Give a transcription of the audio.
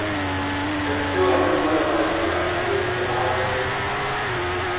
Her skill as a drummer earned her a May I recommend?